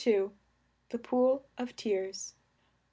THE POOL OF TEARS.